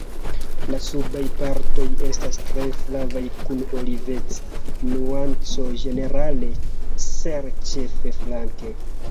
La subaj partoj estas tre flavaj kun oliveca nuanco ĝenerale ser ĉefe flanke.